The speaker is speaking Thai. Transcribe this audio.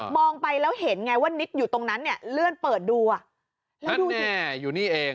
ไปแล้วเห็นไงว่านิดอยู่ตรงนั้นเนี่ยเลื่อนเปิดดูอ่ะแล้วดูเนี่ยอยู่นี่เอง